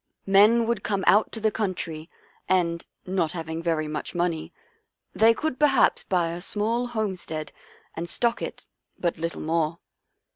" Men would come out to the country, and, not having very much money, they could perhaps buy a small homestead and stock it, but little more.